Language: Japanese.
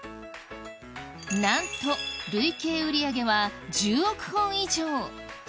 なんと累計売り上げは１０億本以上持ち手界の神様